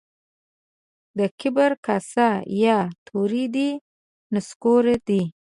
د کبر کاسې يا توري دي يا نسکوري دي.